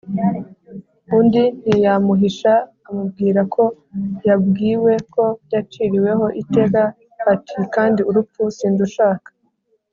undi ntiyamuhisha amubwira ko yabwiwe ko yaciriweho iteka, ati “kandi urupfu sindushaka,